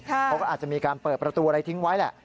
เขาก็อาจจะมีการเปิดประตูอะไรทิ้งไว้แหละ